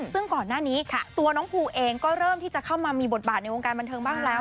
ซึ่งก่อนหน้านี้ตัวน้องภูเองก็เริ่มที่จะเข้ามามีบทบาทในวงการบันเทิงบ้างแล้ว